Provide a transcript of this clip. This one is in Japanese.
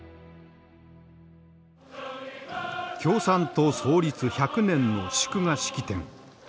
共産党創立１００年の祝賀式典。